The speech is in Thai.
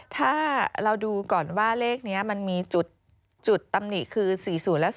ถ้าเราดูก่อนว่าเลขนี้มันมีจุดตำหนิคือ๔๐และ๔